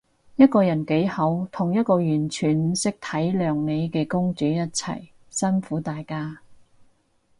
一個人幾好，同一個完全唔識體諒你嘅公主一齊，辛苦大家